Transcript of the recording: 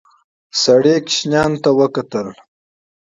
سړي جانکو ته وکتل.